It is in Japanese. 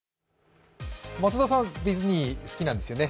松田さん、ディズニー、好きなんですよね？